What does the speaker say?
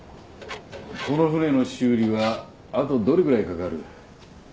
この艦の修理はあとどれぐらいかかる？